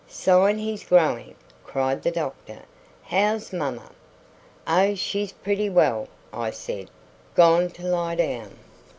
"Sign he's growing," cried the doctor. "How's mamma?" "Oh, she's pretty well," I said. "Gone to lie down."